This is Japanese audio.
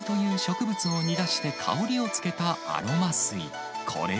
松の葉とクロモジという植物を煮出して香りをつけたアロマ水。